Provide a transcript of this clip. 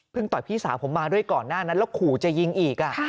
ต่อยพี่สาวผมมาด้วยก่อนหน้านั้นแล้วขู่จะยิงอีก